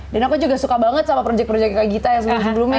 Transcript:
dan aku juga suka banget sama project project kakak gita yang sebelumnya